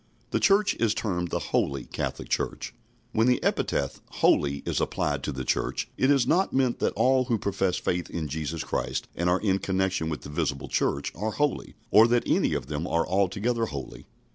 The Church is termed the Holy Catholic Church. When the epithet "holy" is applied to the Church, it is not meant that all who profess faith in Jesus Christ and are in connection with the visible Church, are holy, or that any of them are altogether holy.